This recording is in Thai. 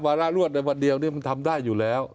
ระรวดในวันเดียวนี่มันทำได้อยู่แล้ว